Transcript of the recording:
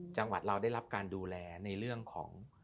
จังหวัดเราได้รับการดูแลในเรื่องของ